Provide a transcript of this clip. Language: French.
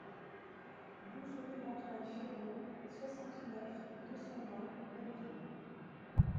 douze rue Antoine Ferraud, soixante-neuf, deux cent vingt, Belleville